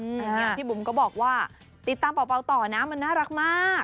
แต่เนี่ยพี่บุ๋มก็บอกว่าติดตามเป่าต่อนะมันน่ารักมาก